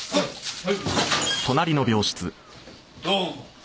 はい。